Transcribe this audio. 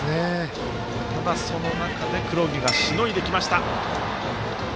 ただ、その中で黒木がしのいできました。